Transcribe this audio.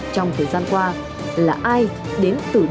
trong thời gian qua là ai đến từ đâu mục đích gì